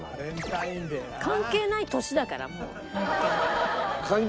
関係ない年だからもう本当に。